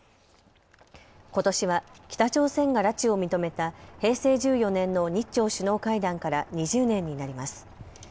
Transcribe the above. ことしは北朝鮮が拉致を認めた平成１４年の日朝首脳会談から２０年になります。